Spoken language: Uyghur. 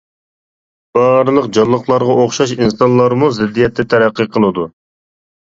بارلىق جانلىقلارغا ئوخشاش ئىنسانلارمۇ زىددىيەتتە تەرەققىي قىلىدۇ.